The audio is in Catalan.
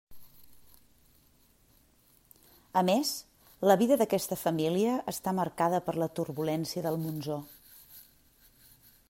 A més, la vida d'aquesta família està marcada per la turbulència del monsó.